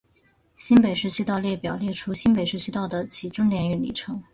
新北市区道列表列出新北市区道的起终点与里程。